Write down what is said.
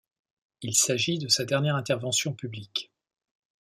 Il s'agit de sa dernière intervention publique.